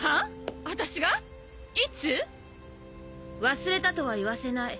忘れたとは言わせない。